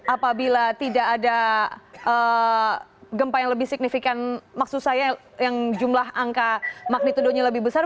apabila tidak ada gempa yang lebih signifikan maksud saya yang jumlah angka magnitudonya lebih besar